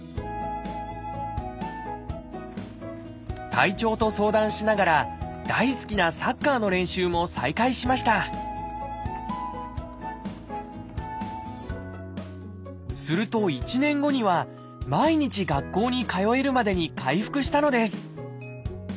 体調と相談しながら大好きなサッカーの練習も再開しましたすると１年後には毎日学校に通えるまでに回復したのです！